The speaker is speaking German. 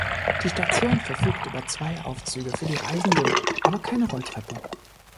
Die Station verfügt über zwei Aufzüge für die Reisenden, aber keine Rolltreppe.